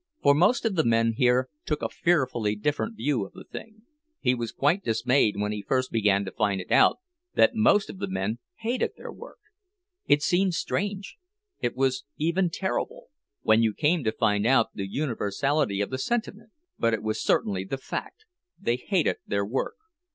For most of the men here took a fearfully different view of the thing. He was quite dismayed when he first began to find it out—that most of the men hated their work. It seemed strange, it was even terrible, when you came to find out the universality of the sentiment; but it was certainly the fact—they hated their work.